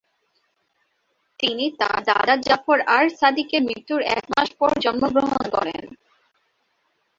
তিনি তার দাদা জাফর আর সাদিকের মৃত্যুর এক মাস পর জন্মগ্রহণ করেন।